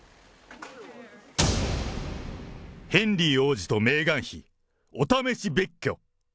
ヘンリー王子とメーガン妃、お試し別居。